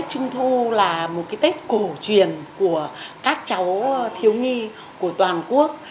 tết trung thu là một cái tết cổ truyền của các cháu thiếu nghi của toàn quốc